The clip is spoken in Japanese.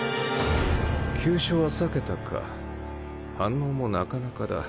急所は避けたか反応もなかなかだ。